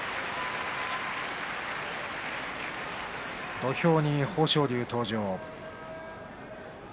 土俵に豊昇龍登場。